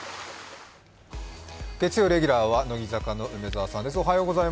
月曜レギュラーは乃木坂の梅澤さんです。